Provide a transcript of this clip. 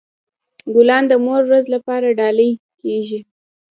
ګلان د مور ورځ لپاره ډالۍ کیږي.